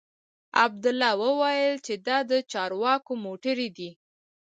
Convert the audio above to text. عبدالله وويل چې دا د چارواکو موټرې دي.